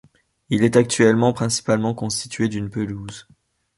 Il est actuellement principalement constitué d'une pelouse.